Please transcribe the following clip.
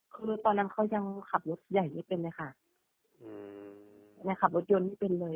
คือตอนนั้นเขายังขับรถใหญ่ไม่เป็นเลยค่ะอืมเนี่ยขับรถยนต์นี่เป็นเลย